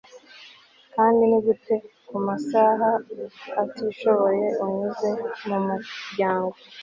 Kandi nigute kumasaha atishoboye unyuze mumuryango